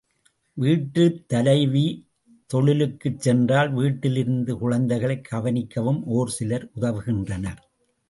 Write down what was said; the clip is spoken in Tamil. வீட்டுத் தலைவி தொழிலுக்குச் சென்றால் வீட்டில் இருந்து குழந்தைகளைக் கவனிக்கவும் ஒரு சிலர் உதவுகின்றனர்.